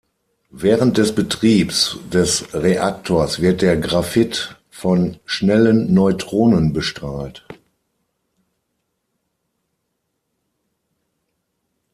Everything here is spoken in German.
Während des Betriebs des Reaktors wird der Graphit von schnellen Neutronen bestrahlt.